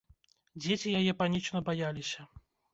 Дзеці яе панічна баяліся.